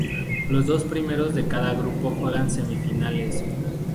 Los dos primeros de cada grupo juegan semifinales.